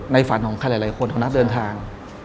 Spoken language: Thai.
ฝันของใครหลายคนของนักเดินทาง